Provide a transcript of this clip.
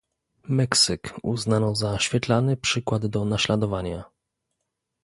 Meksyk uznano za świetlany przykład do naśladowania